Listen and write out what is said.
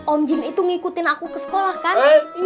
om jim itu ngikutin aku ke sekolah kan